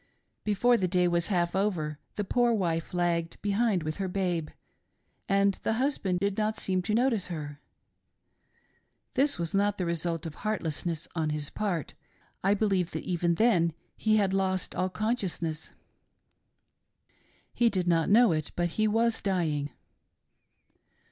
Before the day was half over, the poor wife lagged behind with her babe, and the husband did not seem to notice her. This was not the result of heartlessness on his part ; I believe that even then he had lost all consciousness. He did not know it, but he was dying.